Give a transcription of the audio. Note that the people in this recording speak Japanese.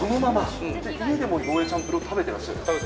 家でもゴーヤチャンプルを食べてらっしゃる？